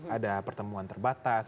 ada pertemuan terbatas